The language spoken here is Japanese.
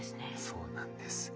そうなんです。